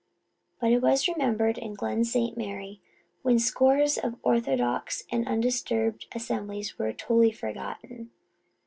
But it was remembered in Glen St. Mary when scores of orthodox and undisturbed assemblies were totally forgotten.